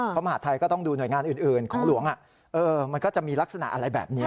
มหาทัยก็ต้องดูหน่วยงานอื่นของหลวงมันก็จะมีลักษณะอะไรแบบนี้